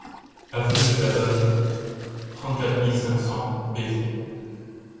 Avenue de Badones, trente-quatre mille cinq cents Béziers